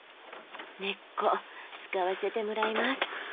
根っこ使わせてもらいます。